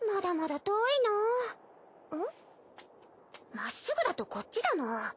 真っ直ぐだとこっちだな。